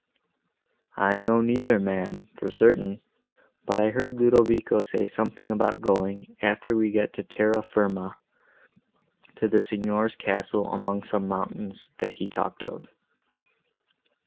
"I know neither, ma'am, for certain; but I heard Ludovico say something about going, after we get to Terra firma, to the signor's castle among some mountains, that he talked of."